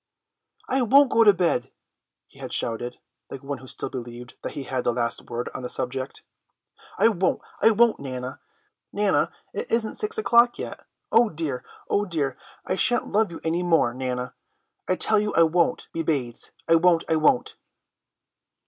"I won't go to bed," he had shouted, like one who still believed that he had the last word on the subject, "I won't, I won't. Nana, it isn't six o'clock yet. Oh dear, oh dear, I shan't love you any more, Nana. I tell you I won't be bathed, I won't, I won't!"